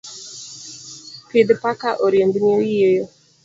Pidh paka oriembni oyieyo.